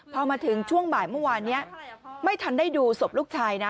พอมาถึงช่วงบ่ายเมื่อวานนี้ไม่ทันได้ดูศพลูกชายนะ